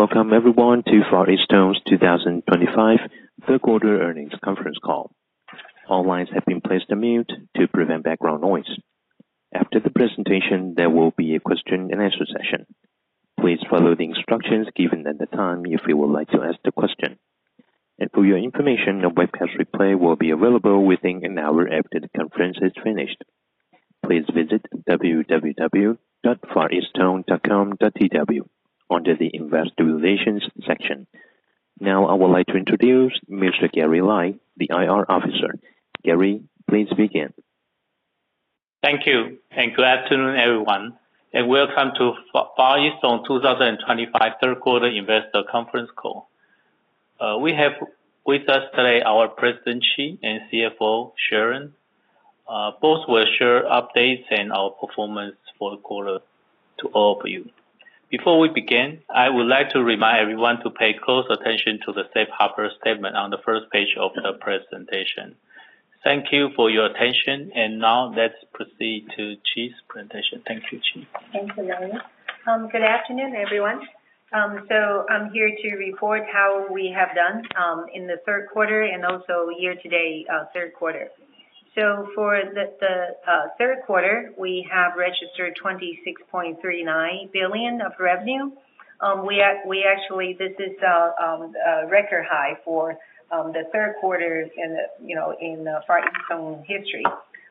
Welcome, everyone, to Far EasTone's 2025 third-quarter earnings conference call. All lines have been placed on mute to prevent background noise. After the presentation, there will be a question-and-answer session. Please follow the instructions given at the time if you would like to ask a question. For your information, a webcast replay will be available within an hour after the conference has finished. Please visit www.FarEasTone.com.tw under the Investor Relations section. Now, I would like to introduce Mr. Gary Lai, the IR Officer. Gary, please begin. Thank you, and good afternoon, everyone, and welcome to Far EasTone 2025 third-quarter investor conference call. We have with us today our President, Chee, and CFO, Sharon. Both will share updates and our performance for the quarter to all of you. Before we begin, I would like to remind everyone to pay close attention to the Safe Harbor statement on the first page of the presentation. Thank you for your attention, and now let's proceed to Chee's presentation. Thank you, Chee. Thanks, Gary. Good afternoon, everyone. I'm here to report how we have done in the third quarter and also year-to-date third quarter. For the third quarter, we have registered 26.39 billion of revenue. This is a record high for the third quarter in Far EasTone history.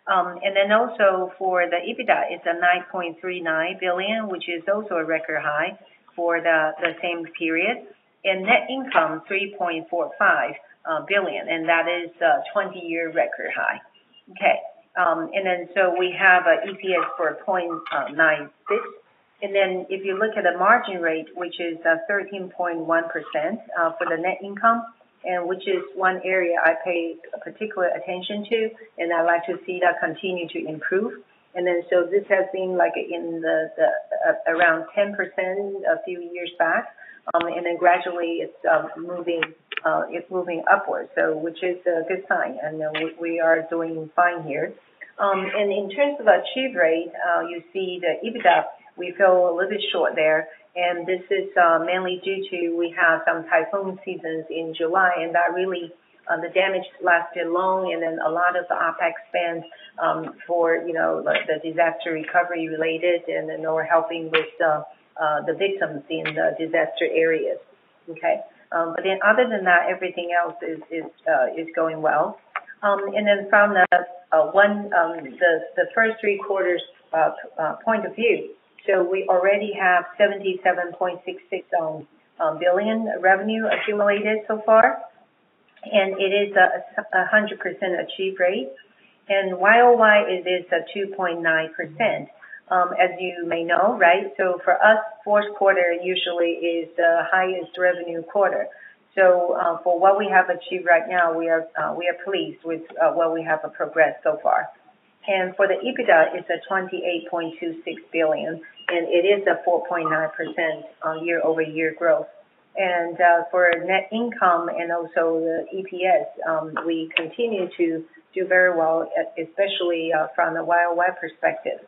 Also, for the EBITDA, it's 9.39 billion, which is also a record high for the same period. Net income is 3.45 billion, and that is a 20-year record high. We have an EPS of 0.96. If you look at the margin rate, which is 13.1% for the net income, that is one area I pay particular attention to, and I'd like to see that continue to improve. This has been around 10% a few years back, and gradually it's moving. Upward, which is a good sign, and we are doing fine here. In terms of our achieved rate, you see the EBITDA, we fell a little bit short there, and this is mainly due to we have some typhoon seasons in July, and that really, the damage lasted long, and then a lot of the OpEx spent for the disaster recovery related, and then we are helping with the victims in the disaster areas. Okay. Other than that, everything else is going well. From the first three quarters point of view, we already have 77.66 billion revenue accumulated so far, and it is a 100% achieved rate. YoY, it is 2.9%. As you may know, right? For us, fourth quarter usually is the highest revenue quarter. For what we have achieved right now, we are pleased with what we have progressed so far. For the EBITDA, it is $28.26 billion, and it is a 4.9% year-over-year growth. For net income and also the EPS, we continue to do very well, especially from the YoY perspective.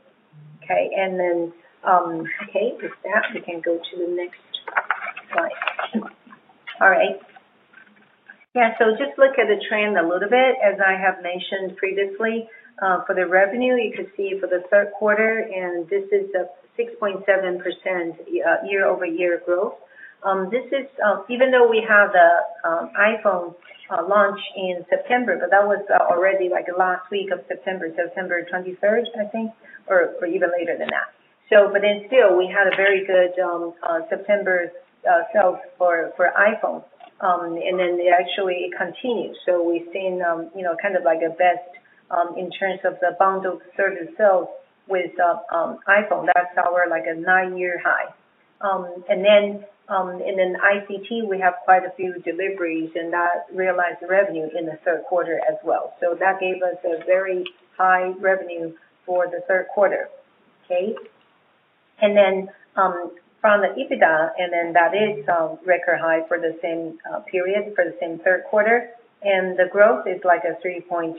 With that, we can go to the next slide. All right. Just look at the trend a little bit. As I have mentioned previously, for the revenue, you can see for the third quarter, this is a 6.7% year-over-year growth. This is even though we have the iPhone launch in September, but that was already like last week of September, September 23, I think, or even later than that. Still, we had a very good September. Sales for iPhone, and then it actually continued. We've seen kind of like a best in terms of the bundled service sales with iPhone. That's our like a nine-year high. In ICT, we have quite a few deliveries and that realized revenue in the third quarter as well. That gave us a very high revenue for the third quarter. From the EBITDA, that is a record high for the same period, for the same third quarter, and the growth is like a 3.2%.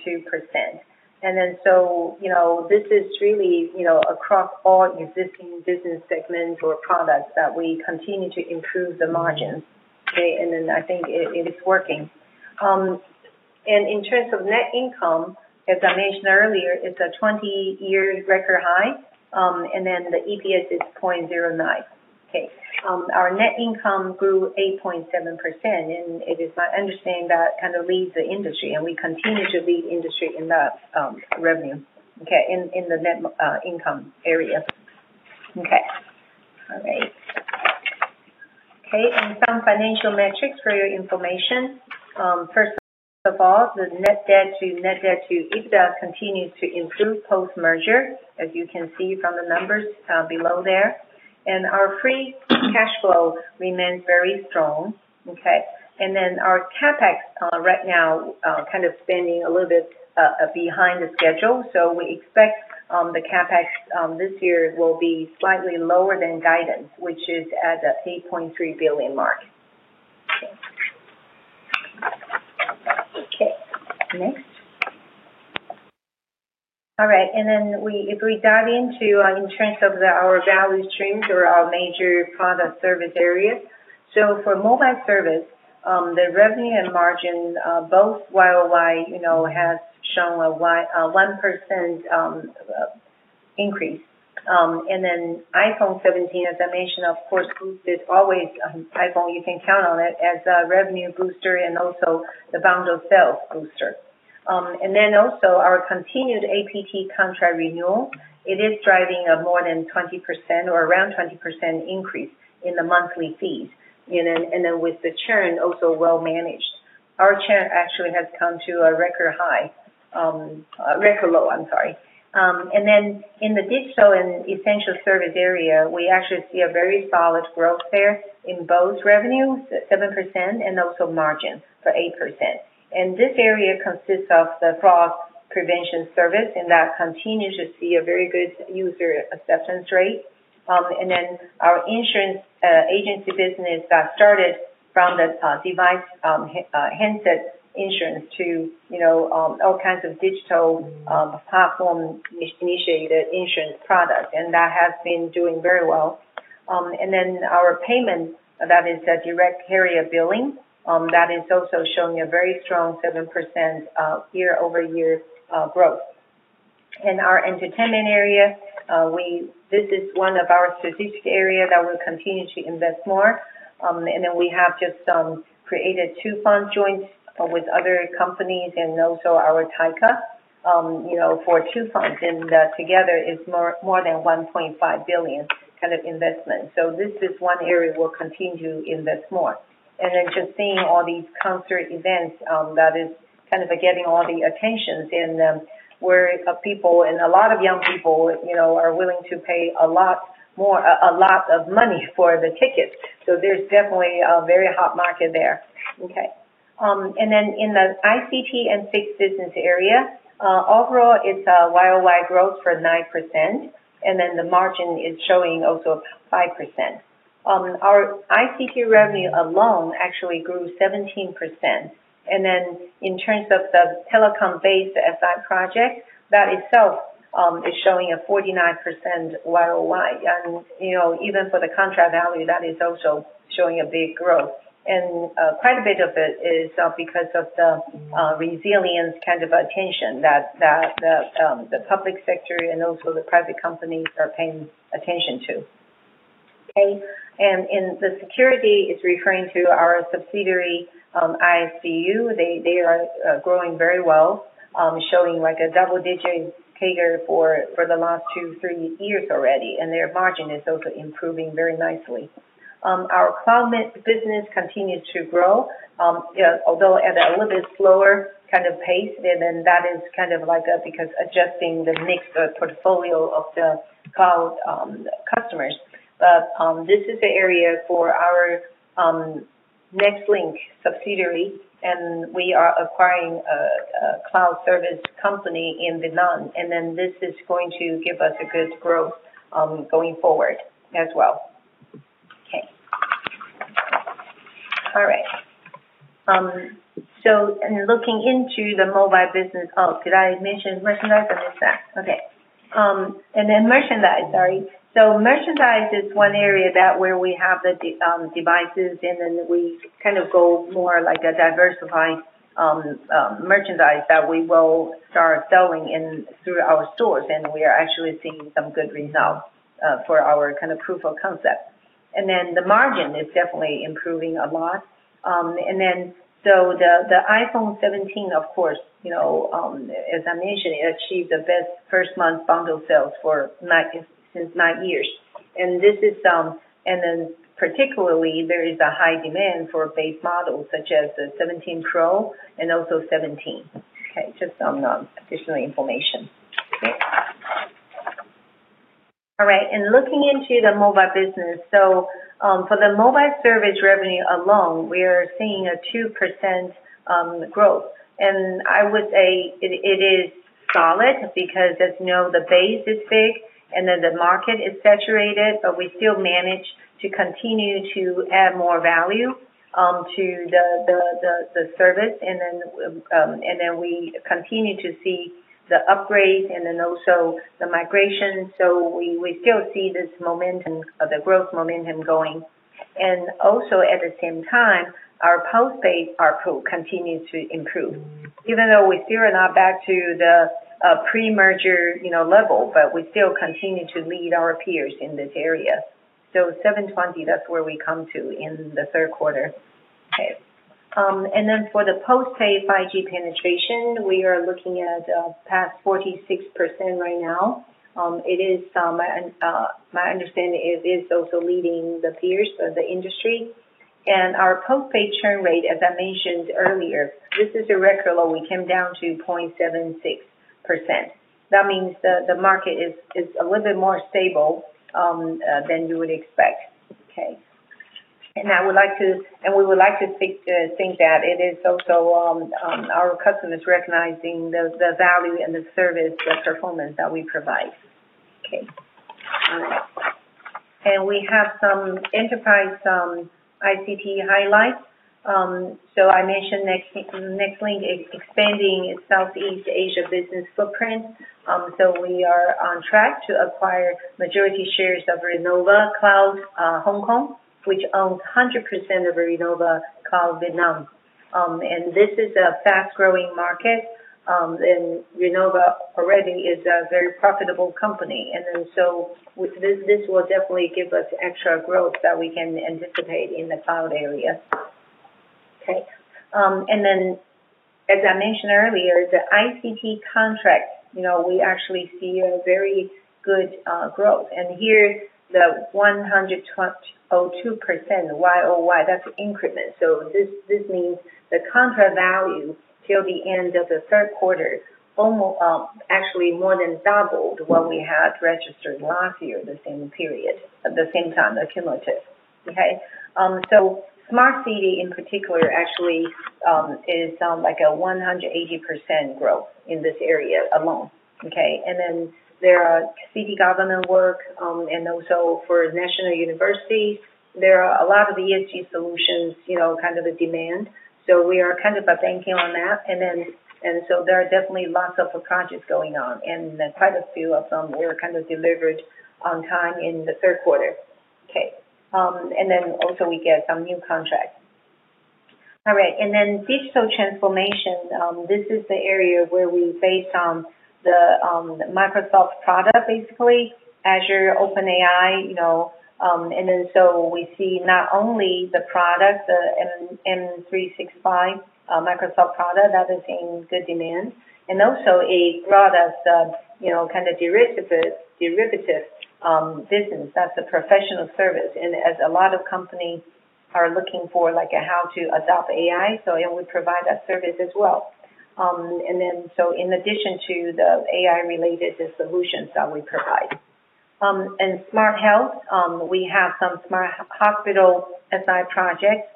This is really across all existing business segments or products that we continue to improve the margins. I think it is working. In terms of net income, as I mentioned earlier, it's a 20-year record high, and the EPS is 0.09. Our net income grew 8.7%, and it is my understanding that kind of leads the industry, and we continue to lead the industry in that revenue. Okay. In the net income area. Okay. All right. Okay. And some financial metrics for your information. First of all, the net debt to EBITDA continues to improve post-merger, as you can see from the numbers below there. Our free cash flow remains very strong. Okay. Our CapEx right now kind of spending a little bit behind the schedule. We expect the CapEx this year will be slightly lower than guidance, which is at the 8.3 billion mark. Okay. Next. All right. If we dive into in terms of our value streams or our major product service areas. For mobile service, the revenue and margin, both YoY, has shown a 1% increase. iPhone 17, as I mentioned, of course, boosted always iPhone, you can count on it as a revenue booster and also the bundled sales booster. Our continued APT contract renewal is driving a more than 20% or around 20% increase in the monthly fees. With the churn also well-managed, our churn actually has come to a record low. In the digital and essential service area, we actually see a very solid growth there in both revenues, 7%, and also margin for 8%. This area consists of the fraud prevention service, and that continues to see a very good user acceptance rate. Our insurance agency business that started from the device handset insurance to all kinds of digital platform-initiated insurance products has been doing very well. Our payment, that is a direct carrier billing, is also showing a very strong 7% year-over-year growth. Our entertainment area is one of our strategic areas that we'll continue to invest more in. We have just created two fund joints with other companies and also our Taika for two funds. That together is more than 1.5 billion kind of investment. This is one area we'll continue to invest more in. Just seeing all these concert events, that is kind of getting all the attention where people and a lot of young people are willing to pay a lot more, a lot of money for the tickets. There is definitely a very hot market there. In the ICT and fixed business area, overall, it's a year-over-year growth of 9%, and the margin is also showing 5%. Our ICT revenue alone actually grew 17%. In terms of the telecom-based SI project, that itself is showing a 49% YoY. Even for the contract value, that is also showing a big growth. Quite a bit of it is because of the resilience kind of attention that the public sector and also the private companies are paying attention to. Okay. In the security, it's referring to our subsidiary ISSDU. They are growing very well, showing like a double-digit figure for the last two, three years already, and their margin is also improving very nicely. Our cloud business continues to grow, although at a little bit slower kind of pace, and that is kind of like because adjusting the mixed portfolio of the cloud customers. This is an area for our Nextlink subsidiary, and we are acquiring a cloud service company in Vietnam. This is going to give us good growth going forward as well. Okay. All right. Looking into the mobile business, oh, did I mention merchandise? I missed that. Okay. Merchandise, sorry. Merchandise is one area where we have the devices, and then we kind of go more like a diversified. Merchandise that we will start selling through our stores, and we are actually seeing some good results for our kind of proof of concept. The margin is definitely improving a lot. The iPhone 17, of course. As I mentioned, it achieved the best first-month bundle sales for since nine years. This is. Particularly, there is a high demand for base models such as the 17 Pro and also 17. Okay. Just some additional information. Okay. All right. Looking into the mobile business, for the mobile service revenue alone, we are seeing a 2% growth. I would say it is solid because, as you know, the base is big, and the market is saturated, but we still manage to continue to add more value to the service. We continue to see the upgrades and also the migration. We still see this momentum, the growth momentum going. Also, at the same time, our post-pay output continues to improve. Even though we still are not back to the pre-merger level, we still continue to lead our peers in this area. 720, that's where we come to in the third quarter. For the post-pay 5G penetration, we are looking at past 46% right now. It is. My understanding is it is also leading the peers of the industry. Our post-pay churn rate, as I mentioned earlier, this is a record low. We came down to 0.76%. That means the market is a little bit more stable than you would expect. Okay. I would like to, and we would like to think that it is also our customers recognizing the value and the service, the performance that we provide. Okay. All right. We have some enterprise ICT highlights. I mentioned Nextlink is expanding its Southeast Asia business footprint. We are on track to acquire majority shares of Renova Cloud Hong Kong, which owns 100% of Renova Cloud Vietnam. This is a fast-growing market. Renova already is a very profitable company. This will definitely give us extra growth that we can anticipate in the cloud area. Okay. As I mentioned earlier, the ICT contract, we actually see very good growth. Here, the 100.02% YoY, that's increment. This means the contract value till the end of the third quarter actually more than doubled what we had registered last year, the same period, at the same time, accumulative. SmartCity in particular actually is like a 180% growth in this area alone. There are city government work, and also for national universities, there are a lot of ESG solutions, kind of the demand. We are kind of banking on that. There are definitely lots of projects going on, and quite a few of them were kind of delivered on time in the third quarter. Also, we get some new contracts. Digital transformation, this is the area where we, based on the Microsoft product, basically Azure, OpenAI. We see not only the product, the M365 Microsoft product, that is in good demand. It brought us kind of derivative business. That is a professional service. As a lot of companies are looking for, like, how to adopt AI, we provide that service as well. In addition to the AI-related solutions that we provide, in smart health, we have some smart hospital SI projects.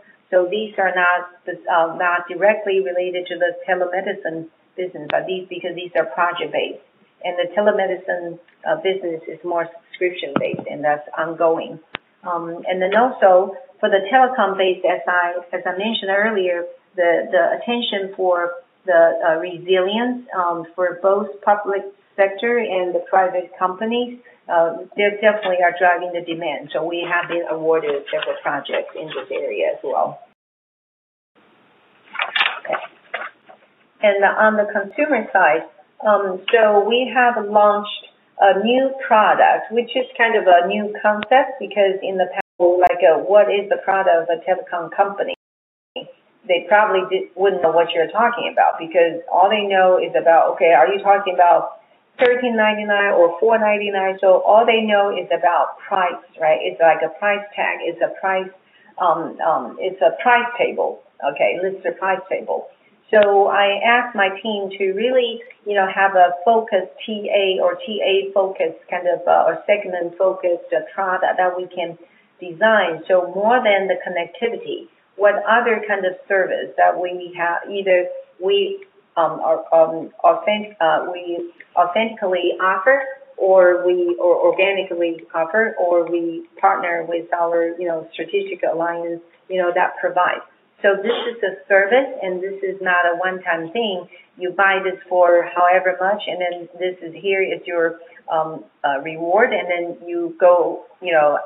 These are not directly related to the telemedicine business, but these are project-based. The telemedicine business is more subscription-based, and that is ongoing. Also, for the telecom-based SI, as I mentioned earlier, the attention for the resilience for both public sector and the private companies, they definitely are driving the demand. We have been awarded several projects in this area as well. Okay. On the consumer side, we have launched a new product, which is kind of a new concept because in the—so what is the product of a telecom company? They probably wouldn't know what you're talking about because all they know is about, okay, are you talking about $13.99 or $4.99? All they know is about price, right? It's like a price tag. It's a price table. Okay. Listed price table. I asked my team to really have a focused TA or TA-focused kind of a segment-focused product that we can design. More than the connectivity, what other kind of service that we either we authentically offer or we organically offer or we partner with our strategic alliance that provides. This is a service, and this is not a one-time thing. You buy this for however much, and then this here is your reward, and then you go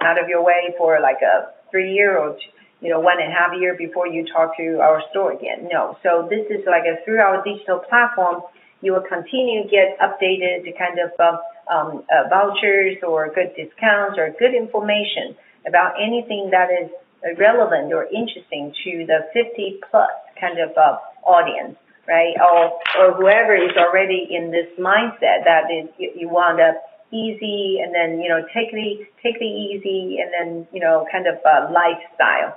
out of your way for like a three-year or one and a half years before you talk to our store again. No. This is like a throughout digital platform. You will continue to get updated to kind of vouchers or good discounts or good information about anything that is relevant or interesting to the 50+ kind of audience, right? Or whoever is already in this mindset that you want an easy and then take the easy and then kind of lifestyle.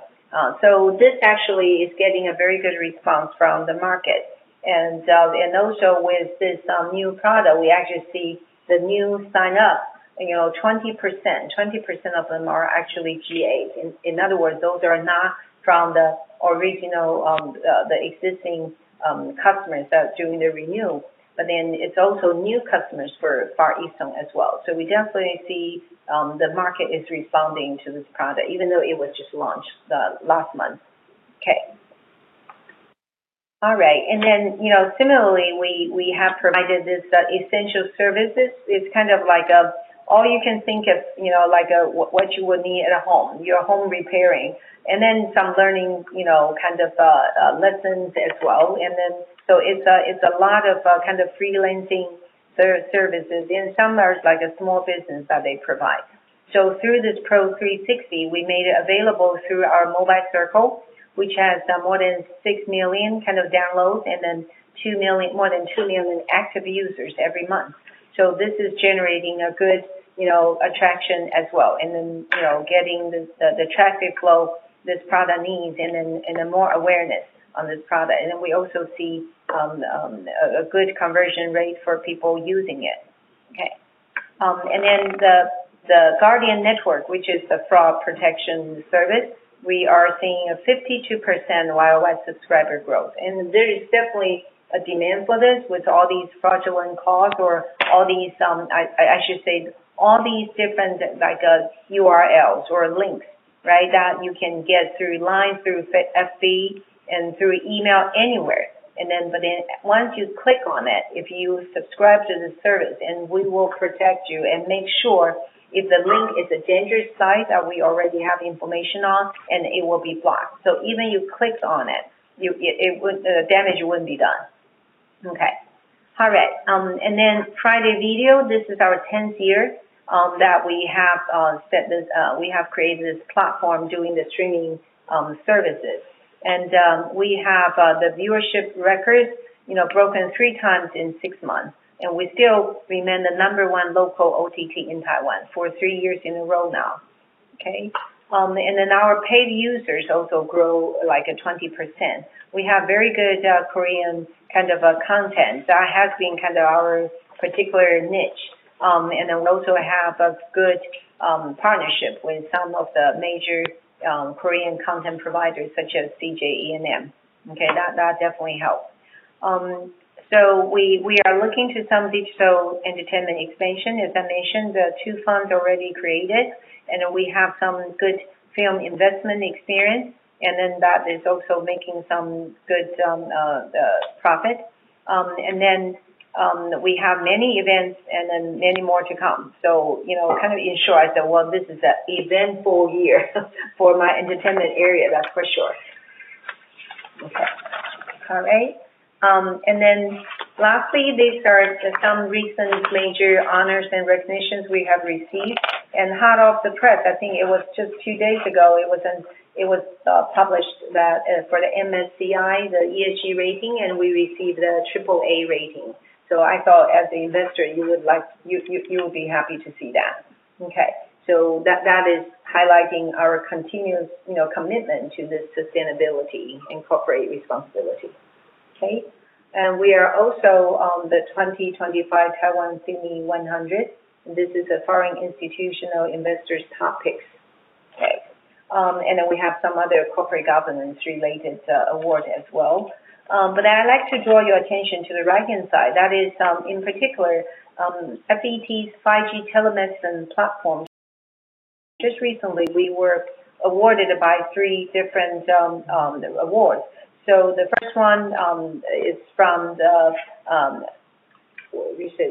This actually is getting a very good response from the market. Also, with this new product, we actually see the new sign-up, 20%. 20% of them are actually GA. In other words, those are not from the original existing customers that are doing the renewal. But then it's also new customers for Far EasTone as well. We definitely see the market is responding to this product, even though it was just launched last month. Okay. All right. Similarly, we have provided this essential services. It's kind of like all you can think of like what you would need at home, your home repairing. And then some learning kind of lessons as well. It's a lot of kind of freelancing services, and some are like a small business that they provide. Through this PRO360, we made it available through our mobile circle, which has more than 6 million kind of downloads and more than 2 million active users every month. This is generating a good attraction as well. Getting the traffic flow this product needs and more awareness on this product. We also see a good conversion rate for people using it. Okay. The Guardian Network, which is the fraud protection service, we are seeing a 52% YoY subscriber growth. There is definitely a demand for this with all these fraudulent calls or all these, I should say, all these different URLs or links, right, that you can get through LINE, through FB, and through email, anywhere. Once you click on it, if you subscribe to the service, we will protect you and make sure if the link is a dangerous site that we already have information on, it will be blocked. Even if you clicked on it, the damage would not be done. Okay. friDay Video, this is our 10th year that we have set this. We have created this platform doing the streaming services. We have the viewership record broken three times in six months. We still remain the number one local OTT in Taiwan for three years in a row now. Our paid users also grow like 20%. We have very good Korean kind of content that has been kind of our particular niche. We also have a good partnership with some of the major Korean content providers such as CJ E&M. That definitely helps. We are looking to some digital entertainment expansion, as I mentioned, the two funds already created. We have some good film investment experience, and that is also making some good profit. We have many events and many more to come. In short, I said this is an eventful year for my entertainment area, that's for sure. All right. Lastly, these are some recent major honors and recognitions we have received. Hot off the press, I think it was just two days ago, it was published that for the MSCI ESG rating, we received the AAA rating. I thought as an investor, you would be happy to see that. That is highlighting our continuous commitment to sustainability and corporate responsibility. We are also on the 2025 Taiwan Simi 100. This is a foreign institutional investors' top picks. We have some other corporate governance-related award as well. I'd like to draw your attention to the right-hand side. That is, in particular, FET's 5G Telemedicine Platform. Just recently, we were awarded by three different awards. The first one is from the,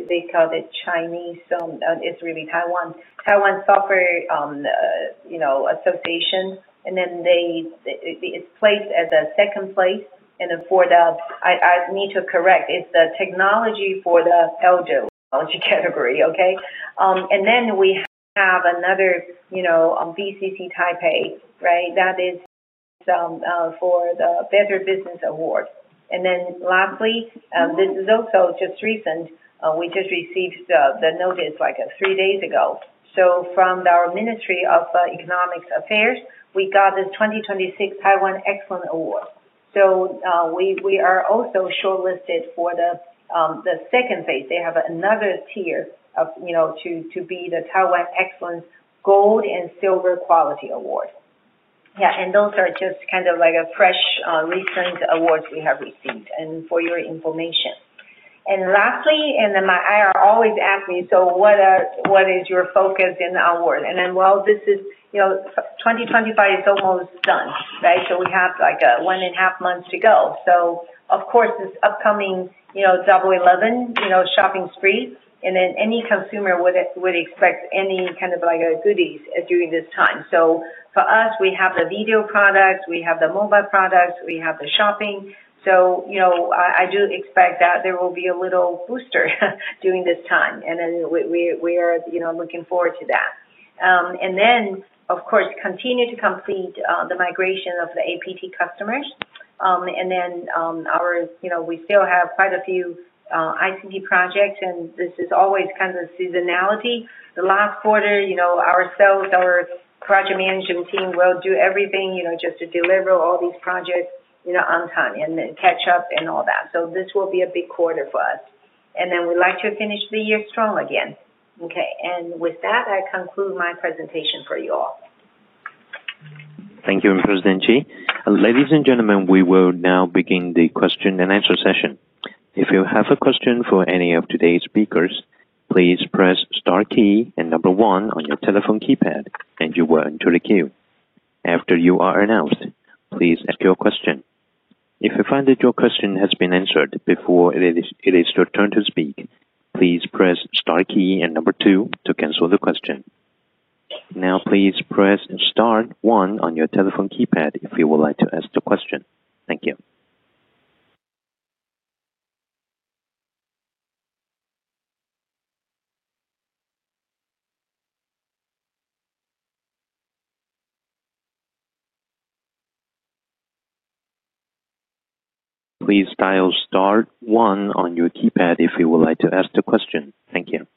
they called it Chinese, it's really Taiwan, Taiwan Software Association. It's placed at the second place. For the, I need to correct, it's the technology for the elder technology category. Okay. Then we have another. BCC Taipei, right? That is for the Better Business Award. Lastly, this is also just recent. We just received the notice like three days ago. From our Ministry of Economic Affairs, we got this 2026 Taiwan Excellence Award. We are also shortlisted for the second phase. They have another tier to be the Taiwan Excellence Gold and Silver Quality Award. Yeah. Those are just kind of like fresh recent awards we have received for your information. Lastly, and then IR always asks me, so what is your focus in the award? 2025 is almost done, right? We have like one and a half months to go. Of course, this upcoming Double 11 shopping spree, and then any consumer would expect any kind of goodies during this time. For us, we have the video products, we have the mobile products, we have the shopping. I do expect that there will be a little booster during this time. We are looking forward to that. Of course, continue to complete the migration of the APT customers. We still have quite a few ICT projects, and this is always kind of seasonality. The last quarter, ourselves, our project management team will do everything just to deliver all these projects on time and catch up and all that. This will be a big quarter for us. We would like to finish the year strong again. Okay. With that, I conclude my presentation for you all. Thank you, President Chee. Ladies and gentlemen, we will now begin the question and answer session. If you have a question for any of today's speakers, please press the star key and number one on your telephone keypad, and you will enter the queue. After you are announced, please ask your question. If you find that your question has been answered before it is your turn to speak, please press the star key and number to cancel the question. Now, please press star one on your telephone keypad if you would like to ask the question. Thank you. Please dial star one on your keypad if you would like to ask the question. Thank you.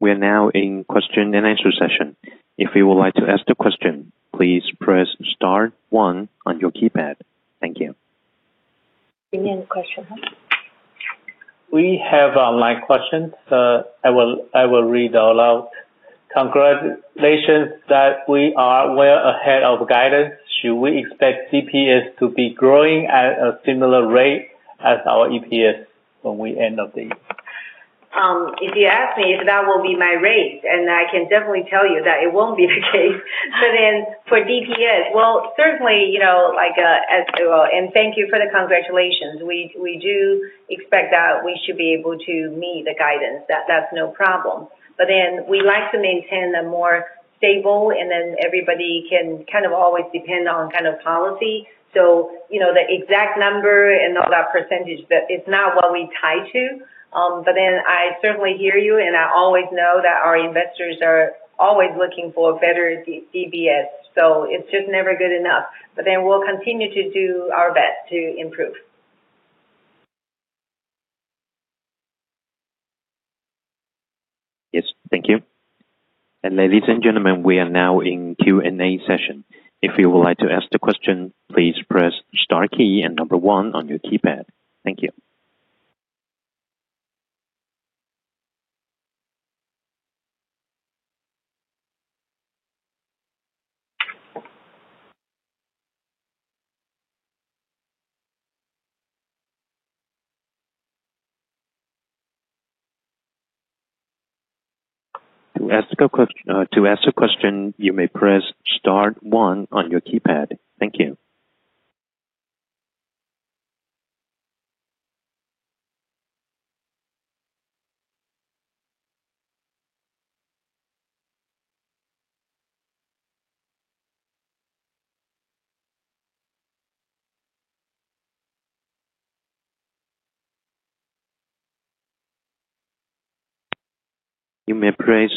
We are now in the question and answer session. If you would like to ask the question, please press star one on your keypad. Thank you. Any question? We have a live question. I will read it all out. Congratulations that we are well ahead of guidance. Should we expect DPS to be growing at a similar rate as our EPS when we end of the year? If you ask me if that will be my rate, I can definitely tell you that it will not be the case. For DPS, certainly. Thank you for the congratulations. We do expect that we should be able to meet the guidance. That is no problem. We like to maintain a more stable, and then everybody can kind of always depend on kind of policy. The exact number and all that percentage, it is not what we tie to. I certainly hear you, and I always know that our investors are always looking for better DPS. It is just never good enough. We will continue to do our best to improve. Yes. Thank you. Ladies and gentlemen, we are now in Q&A session. If you would like to ask the question, please press star key and number one on your keypad. Thank you. To ask a question, you may press star one on your keypad. Thank you. You may press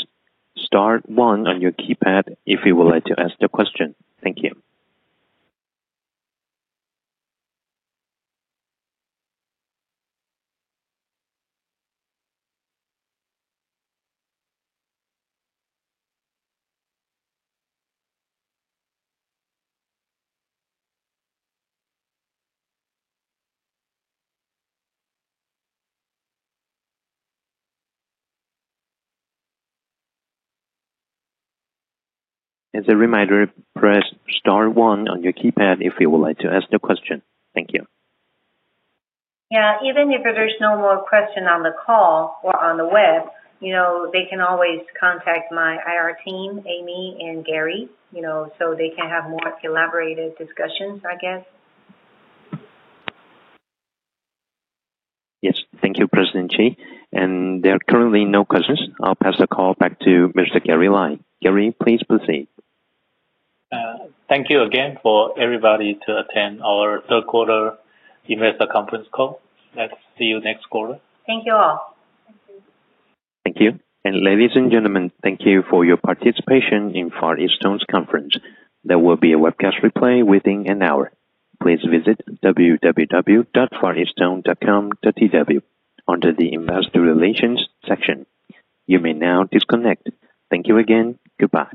star one on your keypad if you would like to ask the question. Thank you. As a reminder, press star one on your keypad if you would like to ask the question. Thank you. Yeah. Even if there is no more question on the call or on the web, they can always contact my IR team, Amy and Gary, so they can have more elaborated discussions, I guess. Yes. Thank you, President Chee. There are currently no questions. I'll pass the call back to Mr. Gary Lai. Gary, please proceed. Thank you again for everybody to attend our third-quarter investor conference call. Let's see you next quarter. Thank you all. Thank you. Ladies and gentlemen, thank you for your participation in Far EasTone's conference. There will be a webcast replay within an hour. Please visit www.fareastone.com.tw under the Investor Relations section. You may now disconnect. Thank you again. Goodbye.